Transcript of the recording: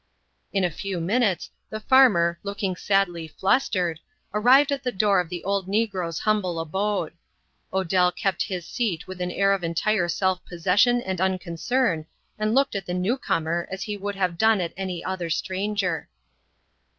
In a few minutes, the farmer, looking sadly "flustered," arrived at the door of the old negro's humble abode. Odell kept his seat with an air of entire self possession and unconcern, and looked at the new comer as he would have done at any other stranger.